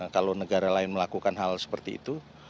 kalau negara lain melakukan hal seperti itu